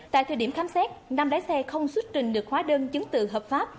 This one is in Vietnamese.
tại thời điểm khám xét năm lái xe không xuất trình được khóa đơn chứng tự hợp pháp